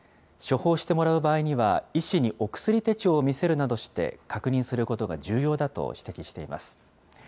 処方してもらう場合には、医師にお薬手帳を見せるなどして確認することが重要だと指摘しています。